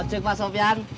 ojek pak sofyan